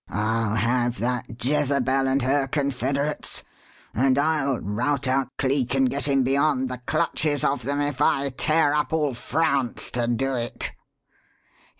I'll have that Jezebel and her confederates and I'll rout out Cleek and get him beyond the clutches of them if I tear up all France to do it."